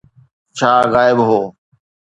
ڇا غائب هو؟